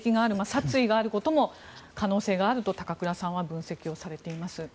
殺意があることも可能性があると高倉さんは分析をされています。